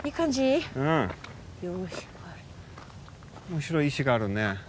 面白い石があるね。